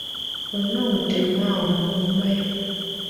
Olina omutemu awo mu nnyumba yo.